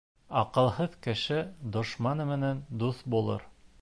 Аҡылһыҙ кеше дошманы менән дуҫ булыр